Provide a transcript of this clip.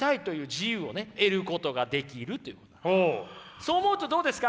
そう思うとどうですか？